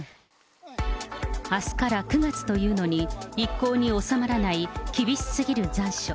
あすから９月というのに、一向に収まらない厳しすぎる残暑。